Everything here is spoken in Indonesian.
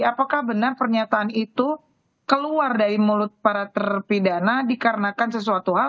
apakah benar pernyataan itu keluar dari mulut para terpidana dikarenakan sesuatu hal